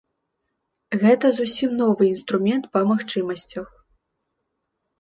Гэта зусім новы інструмент па магчымасцях.